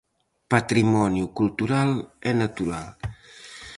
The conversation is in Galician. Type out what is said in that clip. Patrimonio cultural e natural.